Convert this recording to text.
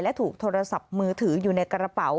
และถูกโทรศัพท์มือถืออยู่ในกระเป๋า